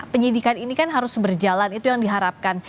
penyidikan ini kan harus berjalan itu yang diharapkan